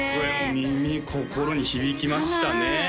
耳心に響きましたね